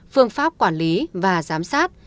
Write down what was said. phương pháp quản lý và giám sát